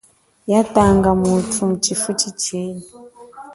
Ya tanga muthu mutshilifa chenyi.